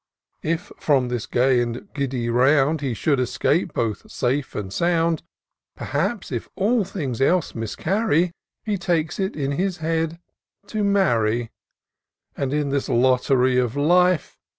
If from this gay and giddy round He should escape both safe and sound, Perhaps, if all things else miscarry. He takes it in his head to marry ; And in this lottery of life.